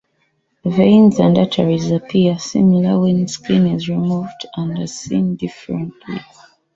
Veins and arteries appear similar when skin is removed and are seen directly.